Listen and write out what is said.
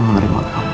kamu harus percaya